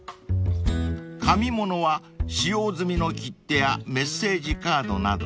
［紙物は使用済みの切手やメッセージカードなど］